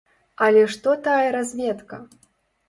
Але што тая разведка!